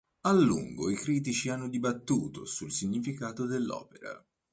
A lungo i critici hanno dibattuto sul significato dell'opera.